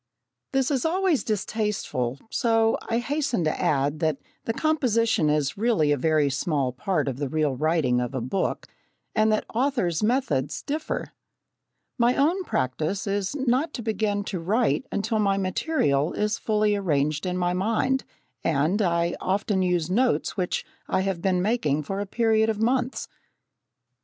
This is always distasteful, so I hasten to add that the composition is really a very small part of the real writing of a book, and that authors' methods differ. My own practice is not to begin to write until my material is fully arranged in my mind, and I often use notes which I have been making for a period of months.